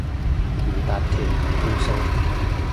唔搭鐵，輕鬆